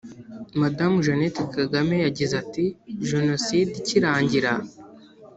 Madamu Jeannette Kagame yagize ati “Jenoside ikirangira